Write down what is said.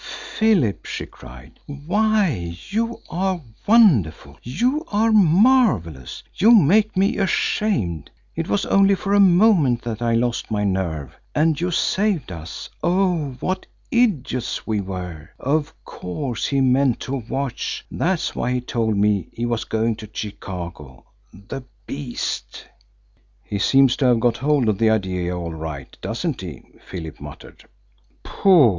"Philip!" she cried. "Why, you are wonderful! You are marvellous! You make me ashamed. It was only for a moment that I lost my nerve, and you saved us. Oh, what idiots we were! Of course he meant to watch that's why he told me he was going to Chicago. The beast!" "He seems to have got hold of the idea all right, doesn't he?" Philip muttered. "Pooh!"